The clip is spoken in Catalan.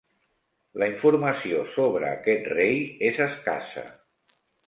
La informació sobre aquest rei és escassa.